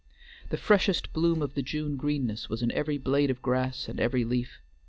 The freshest bloom of the June greenness was in every blade of grass and every leaf.